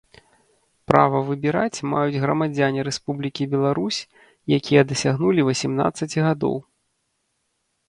права выбіраць маюць грамадзяне Рэспублікі Беларусь, якія дасягнулі васемнадцаці гадоў.